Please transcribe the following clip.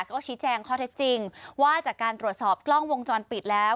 ก็ชี้แจงข้อเท็จจริงว่าจากการตรวจสอบกล้องวงจรปิดแล้ว